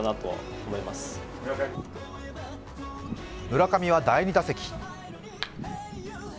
村上は第２打席。